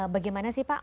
bagaimana sih pak